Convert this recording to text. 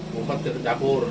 lompat ke dapur